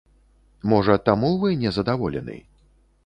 Можа таму вы незадаволены?